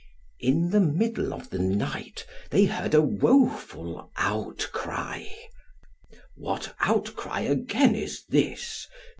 In the middle of the night they heard a woeful outcry. "What outcry again is this?"